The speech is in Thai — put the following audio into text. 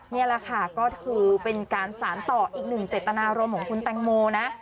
นี่แหละค่ะก็คือเป็นการสารต่ออีกหนึ่งเจตนารมณ์ของคุณแตงโมนะ